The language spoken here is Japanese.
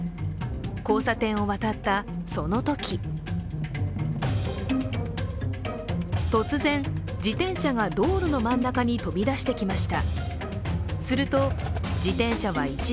交差点を渡った、そのとき突然、自転車が道路の真ん中に飛び出してきました。